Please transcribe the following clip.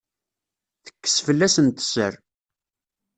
Tekkes fell-asent sser.